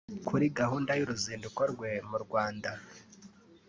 Kuri gahunda y’uruzinduko rwe mu Rwanda